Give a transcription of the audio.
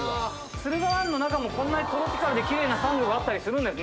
駿河湾の中もこんなにトロピカルできれいなサンゴがあったりするんですね。